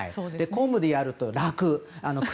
公務でやると楽。